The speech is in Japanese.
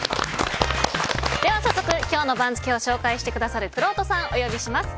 では早速今日の番付を紹介してくださるくろうとさんをお呼びします。